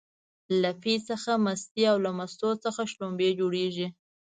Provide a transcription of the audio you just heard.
له پی څخه مستې او له مستو څخه شلومبې جوړيږي